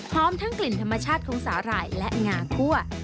พร้อมทั้งกลิ่นธรรมชาติของสาหร่ายและงาคั่ว